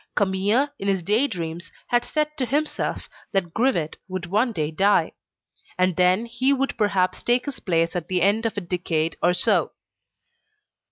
Camille, in his day dreams, had said to himself that Grivet would one day die, and that he would perhaps take his place at the end of a decade or so.